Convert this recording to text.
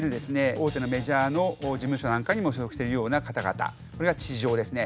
大手のメジャーの事務所なんかにも所属しているような方々これが地上ですね。